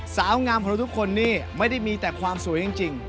สาวงามของเราทุกคนนี่ไม่ได้มีแต่ความสวยจริง